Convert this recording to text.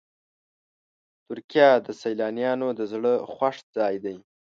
ترکیه د سیلانیانو د زړه خوښ ځای دی.